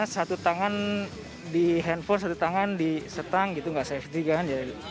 satu tangan di handphone satu tangan di setang gitu nggak safety kan